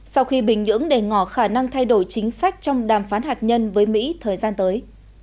sau khi bình nhưỡng đề ngỏ khả năng thay đổi chính sách trong đàm phán hạt nhân với mỹ thời gian tới